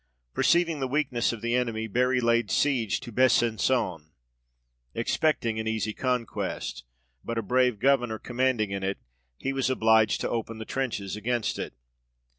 Perceiving the weakness of the enemy, Bury laid siege to Besangon, expecting an easy conquest : but a brave governour commanding in it, he was obliged to open the trenches against it.